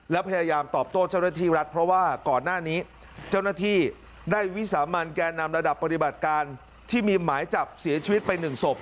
แล้วพยายามตอบโต้เจ้าหน้าที่รัฐเพราะว่าก่อนหน้านี้เจ้าหน้าที่ได้วิสามันแก่นำระดับปฏิบัติการที่มีหมายจับเสียชีวิตไป๑ศพ